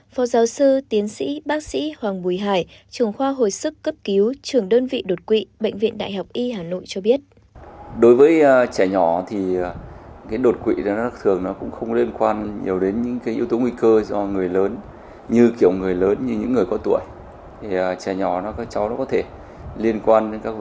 phó giáo sư tiến sĩ bác sĩ hoàng bùi hải trường khoa hồi sức cấp cứu trường đơn vị đột quỵ bệnh viện đại học y hà nội cho biết